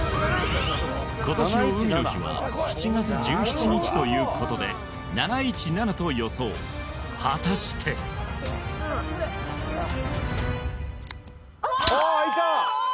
今年の海の日は７月１７日ということで７１７と予想果たしてあっ！